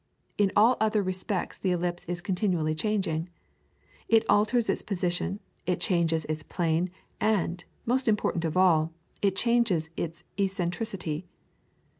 In all other respects the ellipse is continually changing. It alters its position, it changes its plane, and, most important of all, it changes its eccentricity.